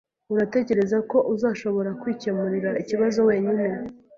Uratekereza ko uzashobora kwikemurira ikibazo wenyine?